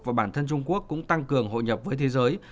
và bản thân trung quốc cũng tăng cường hội nhập với thế giới